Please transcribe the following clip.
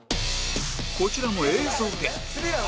こちらも映像で